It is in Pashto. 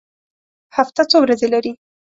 هفته څو ورځې لري؟